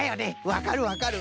わかるわかる。